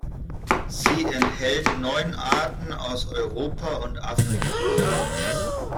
Sie enthält neun Arten aus Europa und Afrika.